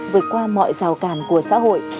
vượt qua mọi rào cản của xã hội